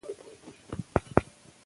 چې یو ډول ته یې لال مالټه وايي